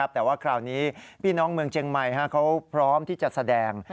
แต่ว่าคราวนี้พี่น้องเมืองเจียงใหม่เขาพร้อมที่จะแสดง